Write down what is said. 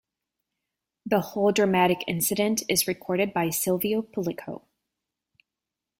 The whole dramatic incident is recorded by Silvio Pellico.